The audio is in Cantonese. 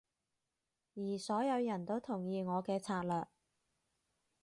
而所有人都同意我嘅策略